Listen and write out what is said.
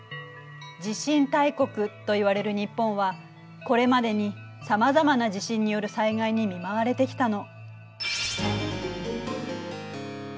地震大国といわれる日本はこれまでにさまざまな地震による災害に見舞われてきたの。